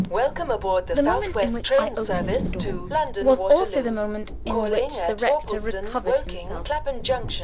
The moment in which I opened the door was also the moment in which the rector recovered himself.